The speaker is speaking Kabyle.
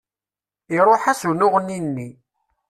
Iruḥ-as unuɣni-nni.